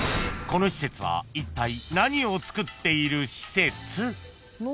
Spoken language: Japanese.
この施設はいったい何をつくっている施設？］